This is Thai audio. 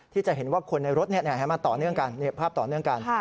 ที่จะเห็นว่าคนในรถมาต่อเนื่องกันภาพต่อเนื่องกัน